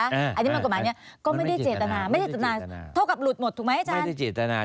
อันนี้มันกฎหมายนี้ก็ไม่ได้เจตนา